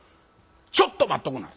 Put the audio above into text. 「ちょっと待っとくんなはれ。